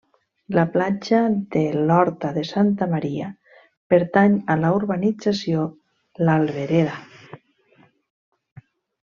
La platja de l’Horta de Santa Maria pertany a la urbanització l’Albereda.